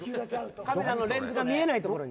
カメラのレンズが見えないところに。